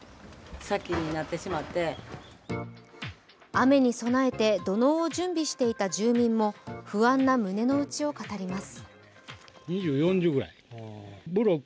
雨に備えて土のうを準備していた住民も不安な胸のうちを語ります。